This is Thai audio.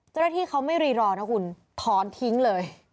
เจ้าหน้าที่เขาไม่รีรอนะคุณถอนทิ้งเลย